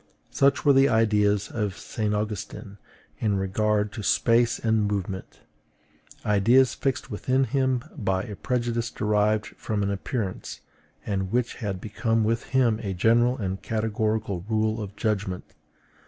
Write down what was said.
Such were the ideas of St. Augustine in regard to space and movement, ideas fixed within him by a prejudice derived from an appearance, and which had become with him a general and categorical rule of judgment.